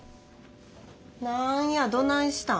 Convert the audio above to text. なんやどないしたん？